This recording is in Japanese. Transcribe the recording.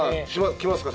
来ますか？